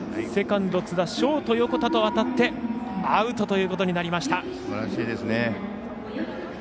セカンド、津田ショート、横田と当たってアウトということになりました。